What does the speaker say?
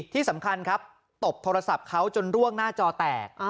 ที่สำคัญครับตบโทรศัพท์เขาจนร่วงหน้าจอแตก